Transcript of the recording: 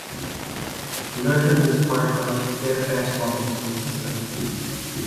Lorton is part of the Fairfax Public School System.